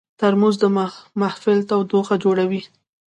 ترموز د محفل تودوخه جوړوي.